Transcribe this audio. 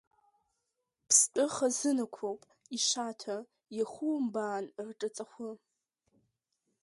Ԥстәы хазынақәоуп, ишаҭа, иахумбаан рҿаҵахәы.